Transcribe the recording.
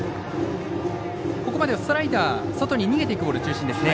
ここまではスライダー外に逃げていくボール中心ですね。